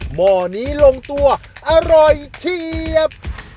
หม้อนี้ลงตัวอร่อยเฉียบ